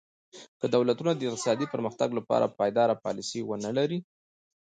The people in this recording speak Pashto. که دولتونه د اقتصادي پرمختګ لپاره پایداره پالیسي ونه لري.